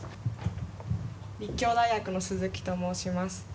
立教大学のスズキと申します。